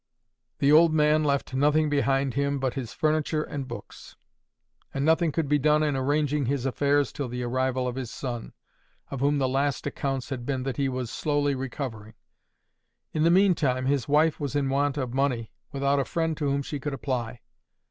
The old man left nothing behind him but his furniture and books. And nothing could be done in arranging his affairs till the arrival of his son, of whom the last accounts had been that he was slowly recovering. In the meantime his wife was in want of money, without a friend to whom she could apply.